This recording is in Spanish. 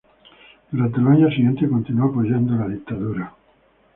Durante los años siguientes, continuó apoyando a la dictadura.